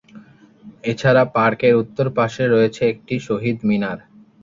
এছাড়া পার্কের উত্তর পাশে রয়েছে একটি শহীদ মিনার।